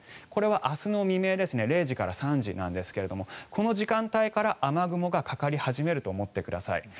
これは明日の未明０時から３時なんですがこの時間帯から雨雲がかかり始めると思ってください。